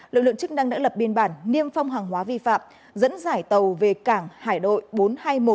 lực lượng chức năng đã lập biên bản niêm phong hàng hóa vi phạm dẫn giải tàu về cảng hải đội bốn trăm hai mươi một